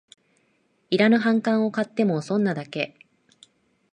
いらぬ反感を買っても損なだけ